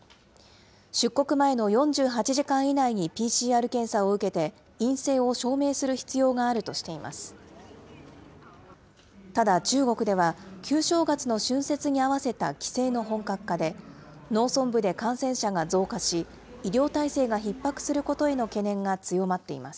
出国前の４８時間以内にＰＣＲ検査を受けて陰性を証明する必要があるとしています。